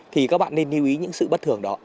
thì các bạn nên lưu ý những sự bất thường đó